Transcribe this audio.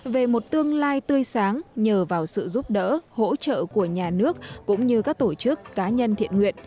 về một tương lai tươi sáng nhờ vào sự giúp đỡ hỗ trợ của nhà nước cũng như các tổ chức cá nhân thiện nguyện